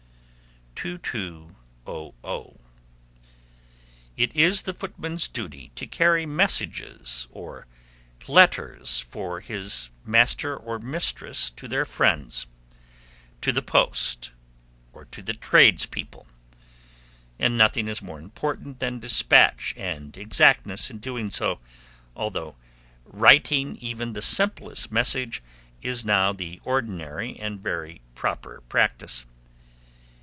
2200. It is the footman's duty to carry messages or letters for his master or mistress to their friends, to the post, or to the tradespeople; and nothing is more important than dispatch and exactness in doing so, although writing even the simplest message is now the ordinary and very proper practice.